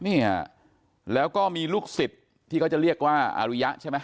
เนี่ยแล้วก็มีลูกศิษย์ที่เขาจะเรียกว่าอาริยะใช่ไหม